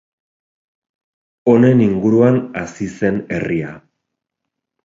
Honen inguruan hazi zen herria.